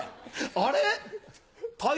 あれ？